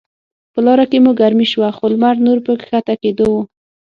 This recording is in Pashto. په لاره کې مو ګرمي شوه، خو لمر نور په کښته کیدو و.